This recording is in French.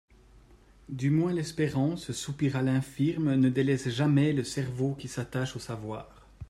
Du moins l'espérance, soupira l'infirme, ne délaisse jamais le cerveau qui s'attache au savoir.